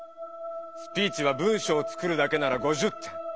スピーチは文しょうを作るだけなら５０点。